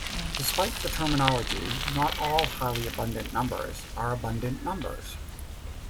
Despite the terminology, not all highly abundant numbers are abundant numbers.